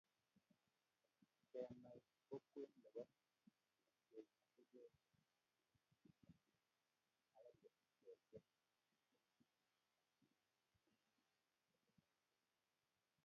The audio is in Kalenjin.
Kenai ko kwen nebo kekilchigeiang kesir